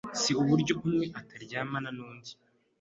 si uburyo umwe ataryamana n’undi